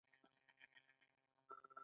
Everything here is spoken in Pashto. په پایله کې کسر هم کوچنی کېږي